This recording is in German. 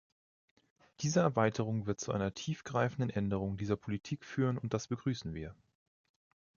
Diese Erweiterung wird zu einer tiefgreifenden Änderung dieser Politik führen und das begrüßen wir.